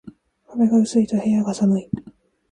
壁が薄いと部屋が寒い